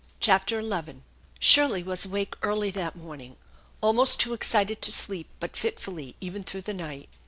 CHAPTER XI SHIRLEY was awake early that morning, almost too excited to sleep but fitfully even through the night.